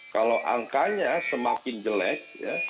kalau angkanya semakin jelek